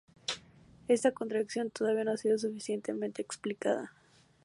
Esta contradicción todavía no ha sido suficientemente explicada.